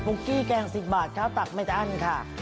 กี้แกง๑๐บาทข้าวตักไม่อั้นค่ะ